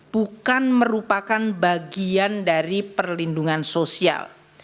bukan merupakan bagian dari perlindungan sosial